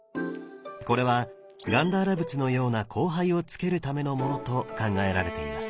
これはガンダーラ仏のような光背をつけるためのものと考えられています。